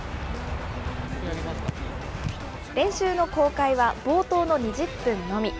練習の公開は冒頭の２０分のみ。